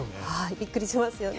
びっくりしますよね。